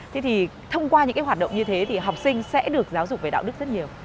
thế thì thông qua những cái hoạt động như thế thì học sinh sẽ được giáo dục về đạo đức rất nhiều